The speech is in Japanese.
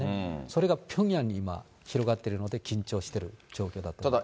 それがピョンヤンに今、広がっているので、緊張してる状況だと思います。